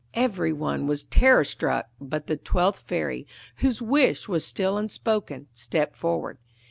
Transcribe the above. Every one was terror struck, but the twelfth fairy, whose wish was still unspoken, stepped forward.